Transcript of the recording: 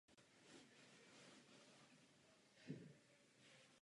Nejnápadnější ale na novém letounu bylo použití tří nosných ploch místo obvyklých dvou.